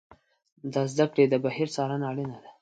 د زده کړې د بهیر څارنه اړینه ده.